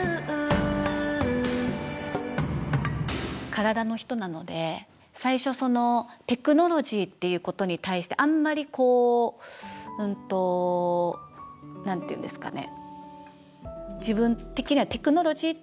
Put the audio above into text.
体の人なので最初テクノロジーっていうことに対してあんまりこう何て言うんですかね